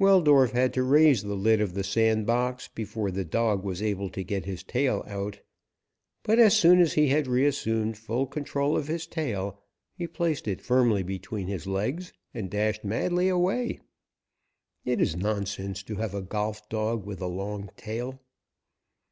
Weldorf had to raise the lid of the sand box before the dog was able to get his tail out, but as soon as he had reassumed full control of his tail he placed it firmly between his legs and dashed madly away. It is nonsense to have a golf dog with a long tail.